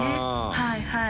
はいはい。